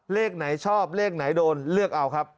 เลขไหนชอบเลขไหนโดนเลือกเอาครับ